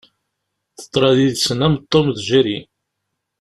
Teḍra yid-sen am Tom d Jerry